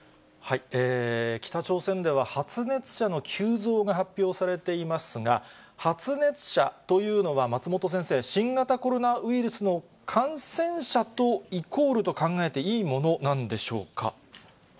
北朝鮮では発熱者の急増が発表されていますが、発熱者というのは、松本先生、新型コロナウイルスの感染者とイコールと考えていいものなんでしょうか。